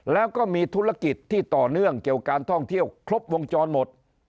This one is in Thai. แล้วก็มีธุรกิจที่ต่อเนื่องเกี่ยวการท่องเที่ยวครบวงจรหมด